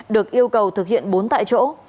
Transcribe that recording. được yêu cầu thực hiện bốn tại chỗ